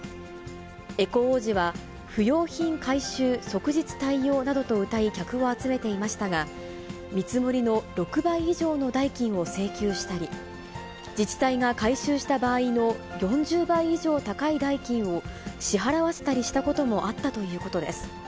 エコ王子は、不用品回収、即日対応などとうたい客を集めていましたが、見積もりの６倍以上の代金を請求したり、自治体が回収した場合の４０倍以上高い代金を支払わせたりしたこともあったということです。